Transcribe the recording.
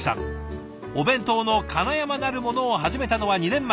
「お弁当のかなやま」なるものを始めたのは２年前。